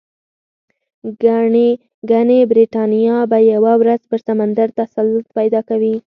ګنې برېټانیا به یوه ورځ پر سمندر تسلط پیدا کوي.